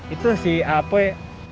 itu si apoy